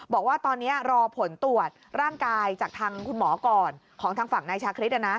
บอกว่าตอนนี้รอผลตรวจร่างกายจากทางคุณหมอก่อนของทางฝั่งนายชาคริส